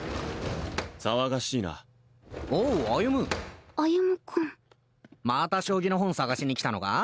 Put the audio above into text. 騒がしいなおう歩歩君また将棋の本探しに来たのか？